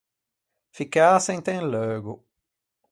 Ficcâse inte un leugo.